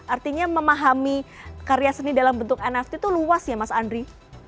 artinya memahami karya seni dalam bentuk nft itu luas ya mas andri